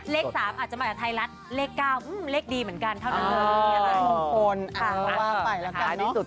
เลข๓อาจจะมาจากไทยรัฐเลข๙เลขดีเหมือนกันเท่านั้นเลย